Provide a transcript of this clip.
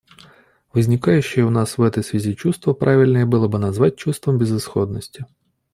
Возникающее у нас в этой связи чувство правильнее было бы назвать чувством безысходности.